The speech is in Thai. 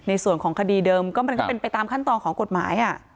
ในส่วนของคดีเดิมก็มันก็เป็นไปตามขั้นตอนของกฎหมาย